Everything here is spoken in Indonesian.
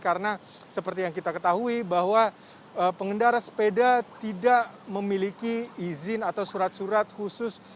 karena seperti yang kita ketahui bahwa pengendara sepeda tidak memiliki izin atau surat surat khusus